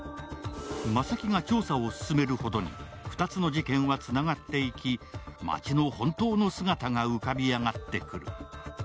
真崎が調査を進めるほどに、２つの事件はつながっていき町の本当の姿が浮かび上がってくる。